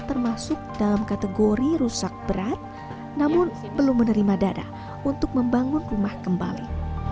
termasuk dalam kategori rusak berat namun belum menerima dada untuk membangun rumah kembali